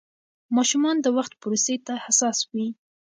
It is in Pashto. ماشومان د وخت پروسې ته حساس وي.